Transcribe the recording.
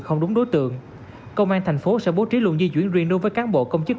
không đúng đối tượng công an thành phố sẽ bố trí luồng di chuyển riêng đối với cán bộ công chức